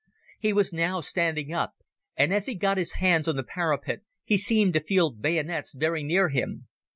He was now standing up, and as he got his hands on the parapet he seemed to feel bayonets very near him.